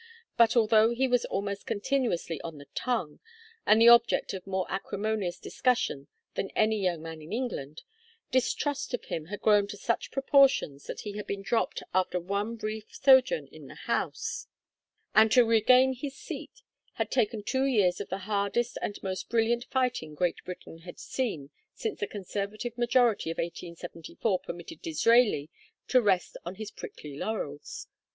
But although he was almost continuously on the tongue, and the object of more acrimonious discussion than any young man in England, distrust of him had grown to such proportions that he had been dropped after one brief sojourn in the House; and to regain his seat had taken two years of the hardest and most brilliant fighting Great Britain had seen since the Conservative majority of 1874 permitted Disraeli to rest on his prickly laurels.